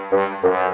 nih bolok ke dalam